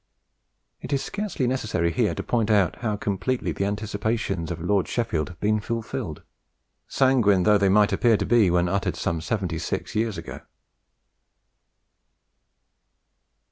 It is scarcely necessary here to point out how completely the anticipations of Lord Sheffield have been fulfilled, sanguine though they might appear to be when uttered some seventy six years ago.